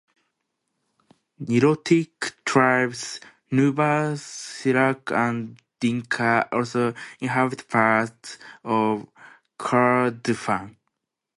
Nilotic tribes, Nuba, Shilluk and Dinka, also inhabit parts of Kurdufan.